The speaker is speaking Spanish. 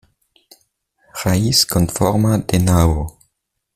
Raíz con forma de nabo.